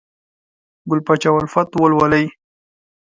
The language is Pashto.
ګل پاچا الفت ولولئ!